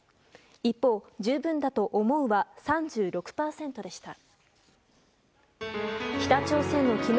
一方、十分だと思うは３６％でした。